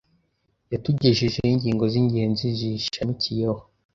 Yatugejejeho ingingo z’ingenzi ziyishamikiyeho.